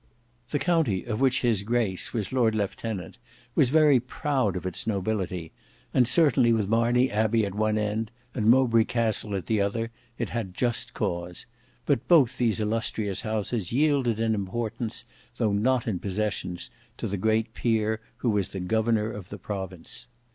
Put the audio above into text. The county of which his grace was Lord Lieutenant was very proud of its nobility; and certainly with Marney Abbey at one end, and Mowbray Castle at the other, it had just cause; but both these illustrious houses yielded in importance, though not in possessions, to the great peer who was the governor of the province.